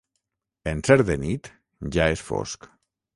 En ser de nit, ja és fosc.